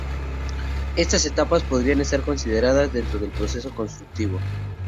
Estas etapas podrían estar consideradas dentro del proceso constructivo.